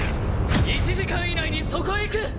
１時間以内にそこへ行く！